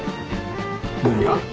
何が？